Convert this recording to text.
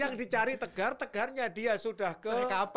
yang dicari tegar tegarnya dia sudah ke